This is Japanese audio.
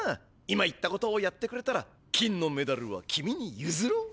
今言ったことをやってくれたら金のメダルは君にゆずろう。